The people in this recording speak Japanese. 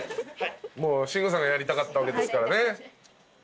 もう慎吾さんがやりたかったわけですからね。